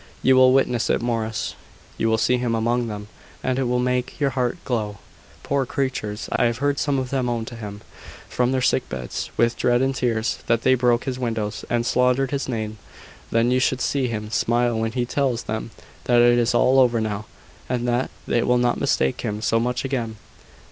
"You will witness it Morris. You will see him among them, and it will make your heart glow. Poor creatures! I have heard some of them own to him, from their sick beds, with dread and tears, that they broke his windows, and slandered his name. Then you should see him smile when he tells them that is all over now, and that they will not mistake him so much again."